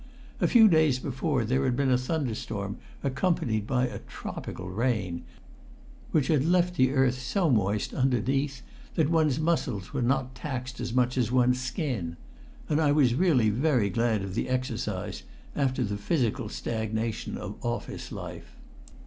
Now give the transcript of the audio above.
A few days before there had been a thunderstorm accompanied by tropical rain, which had left the earth so moist underneath that one's muscles were not taxed as much as one's skin. And I was really very glad of the exercise, after the physical stagnation of office life.